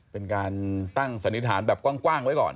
เป็นการตั้งสันนิษฐานแบบกว้างไว้ก่อน